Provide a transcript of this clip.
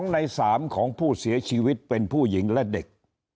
ใน๓ของผู้เสียชีวิตเป็นผู้หญิงและเด็ก